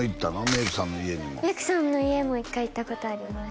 メイクさんの家にもメイクさんの家も１回行ったことあります